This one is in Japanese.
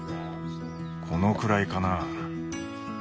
このくらいかな。